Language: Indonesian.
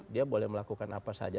dia boleh melakukan apa saja